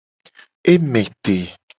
E me te.